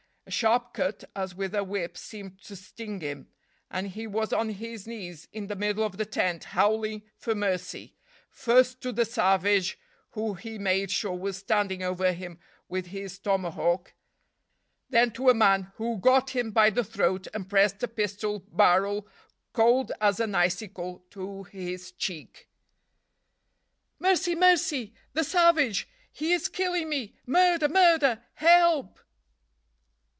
A sharp cut as with a whip seemed to sting him, and he was on his knees in the middle of the tent howling for mercy, first to the savage, who he made sure was standing over him with his tomahawk; then to a man who got him by the throat and pressed a pistol barrel cold as an icicle to his cheek. "Mercy! mercy! the savage! he is killing me! murder! murder! help!"